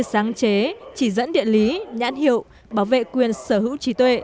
sáng chế chỉ dẫn địa lý nhãn hiệu bảo vệ quyền sở hữu trí tuệ